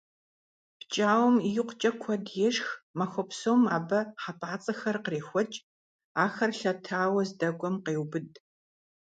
ПкӀауэм икъукӀэ куэд ешх, махуэ псом абы хьэпӀацӀэхэр кърехуэкӀ, ахэр лъэтауэ здэкӀуэм къеубыд.